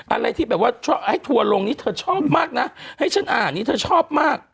อะไรที่แบบว่าให้ทัวร์ลงนี้เธอชอบมากนะให้ฉันอ่านนี้เธอชอบมาก